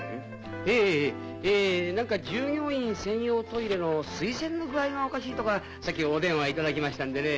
・ええええ何か従業員専用トイレの水洗の具合がおかしいとかさっきお電話頂きましたんでね。